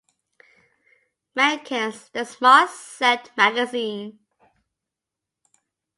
Mencken's "The Smart Set" magazine.